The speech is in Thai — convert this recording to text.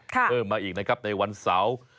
เพิ่มมาอีกนะครับในวันเสาร์